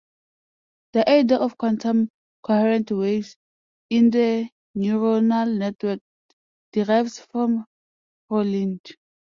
The idea of quantum coherent waves in the neuronal network derives from Frohlich.